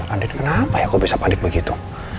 anin kenapa ya aku bisa panik begitu